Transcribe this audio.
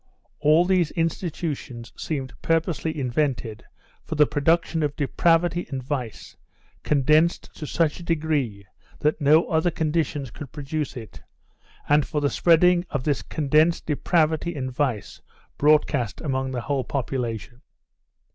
All these institutions seemed purposely invented for the production of depravity and vice, condensed to such a degree that no other conditions could produce it, and for the spreading of this condensed depravity and vice broadcast among the whole population.